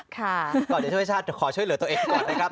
ก่อนจะช่วยชาติขอช่วยเหลือตัวเองก่อนนะครับ